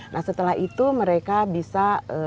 nah setelah itu mereka bisa